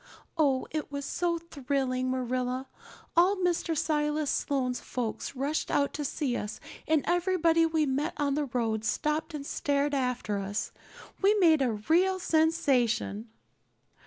Oh, it was so thrilling, Marilla. All Mr. Silas Sloane's folks rushed out to see us and everybody we met on the road stopped and stared after us. We made a real sensation."